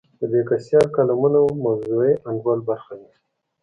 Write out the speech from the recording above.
د بېکسیار کالمونه موضوعي انډول برخه دي.